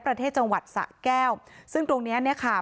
ประเทศจังหวัดสะแก้วซึ่งตรงเนี้ยเนี้ยค่ะ